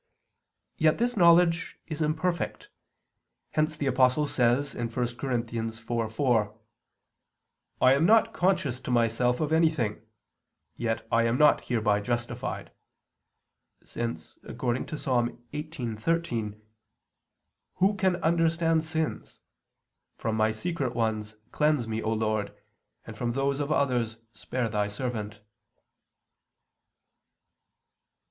Yet this knowledge is imperfect; hence the Apostle says (1 Cor. 4:4): "I am not conscious to myself of anything, yet am I not hereby justified," since, according to Ps. 18:13: "Who can understand sins? From my secret ones cleanse me, O Lord, and from those of others spare Thy servant."